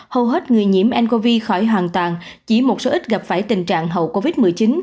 hầu hết người nhiễm ncov khỏi hoàn toàn chỉ một số ít gặp phải tình trạng hậu covid một mươi chín